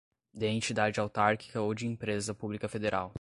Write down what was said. de entidade autárquica ou de empresa pública federal